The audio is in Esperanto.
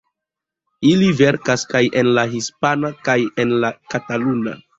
Ili verkas kaj en la hispana kaj en la kataluna.